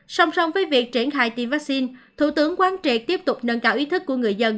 song song với việc triển khai tiêm vaccine thủ tướng quán triệt tiếp tục nâng cao ý thức của người dân